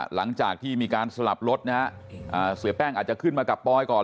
หลังจากที่มีการสลับรถนะฮะเสียแป้งอาจจะขึ้นมากับปอยก่อน